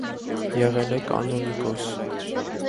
Եղել է կանոնիկոս։